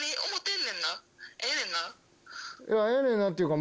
いやええねんなっていうか